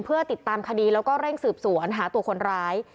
เพื่อติดตามคดีแล้วก็เร่งสืบสวนหาตัวคนร้าย